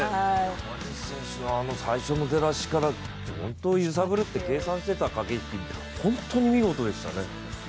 山西選手の最初の出だしから揺さぶることを計算していた駆け引き、本当に見事でしたね。